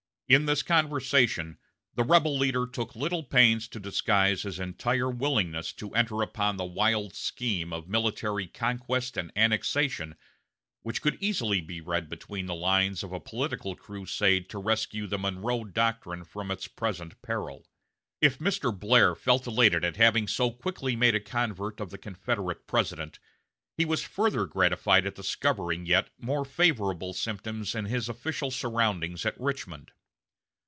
In this conversation, the rebel leader took little pains to disguise his entire willingness to enter upon the wild scheme of military conquest and annexation which could easily be read between the lines of a political crusade to rescue the Monroe Doctrine from its present peril. If Mr. Blair felt elated at having so quickly made a convert of the Confederate President, he was further gratified at discovering yet more favorable symptoms in his official surroundings at Richmond.